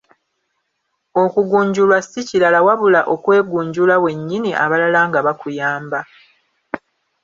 Okugunjulwa si kirala, wabula okwegunjula wennyini abalala nga bakuyamba.